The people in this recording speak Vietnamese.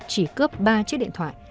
chỉ cướp ba chiếc điện thoại